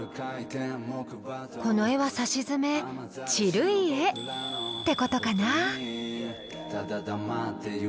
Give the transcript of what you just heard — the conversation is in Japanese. この絵はさしずめ「チルい絵」ってことかな。